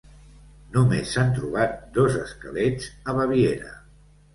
Només s'han trobat dos esquelets, a Baviera.